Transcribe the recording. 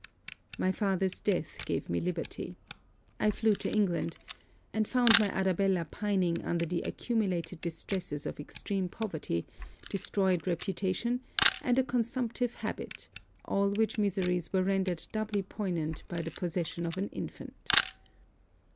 My father's death gave me liberty. I flew to England; and found my Arabella pining under the accumulated distresses of extreme poverty, destroyed reputation, and a consumptive habit: all which miseries were rendered doubly poignant by the possession of an infant.